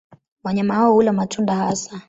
Wanyama hao hula matunda hasa.